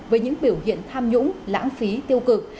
với những biểu hiện tham nhũng lãng phí tiêu cực